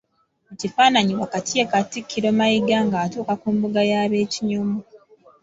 Mu kifaananyi wakati ye Katikkiro Mayiga nga atuuka ku mbuga y'ab'Ekinyomo.